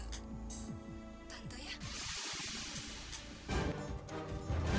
kamu bisa dihukum